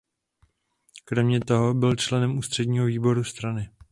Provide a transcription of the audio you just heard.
Kromě toho byl členem ústředního výboru strany.